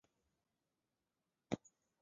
三部作品是以倒叙的方式讲述整个系列。